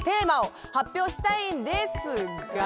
したいんですが。